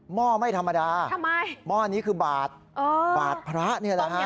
ห้อไม่ธรรมดาทำไมหม้อนี้คือบาทบาทพระนี่แหละฮะ